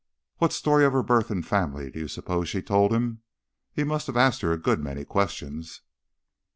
What story of her birth and family do you suppose she told him? He must have asked her a good many questions."